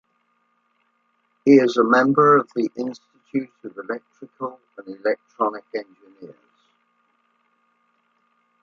He is a member of the Institute of Electrical and Electronics Engineers.